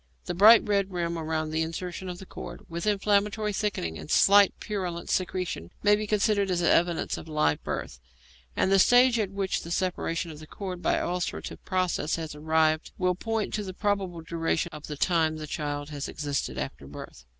The bright red rim round the insertion of the cord, with inflammatory thickening and slight purulent secretion, may be considered as evidence of live birth, and the stage at which the separation of the cord by ulcerative process has arrived will point to the probable duration of time the child has existed after birth.